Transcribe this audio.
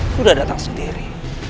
sudah datang sendiri